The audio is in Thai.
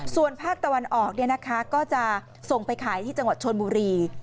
ส่วนภาคตะวันออกก็จะส่งไปขายที่จังหวัดชนบุรี